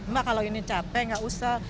ma kalau ini capek gak usah